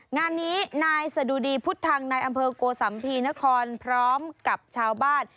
งานนี้นายสะดุดีพุทธังนายอำเภอโกสัมภีนครพร้อมกับชาวบ้าน